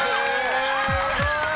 すごい！